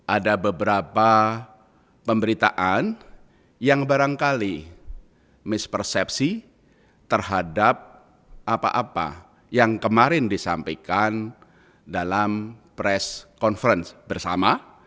ada beberapa pemberitaan yang barangkali mispersepsi terhadap apa apa yang kemarin disampaikan dalam press conference bersama